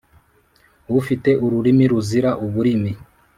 Ufite ururimi ruzira uburimi